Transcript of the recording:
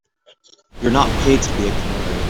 You're not paid to be a canary.